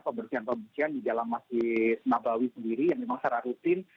pembersihan pembersihan di dalam masjid nabawi sendiri yang memang secara rutin